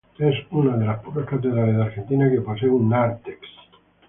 Es una de las pocas catedrales de Argentina que posee un nártex.